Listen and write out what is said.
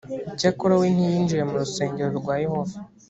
icyakora we ntiyinjiye mu rusengero rwa yehova.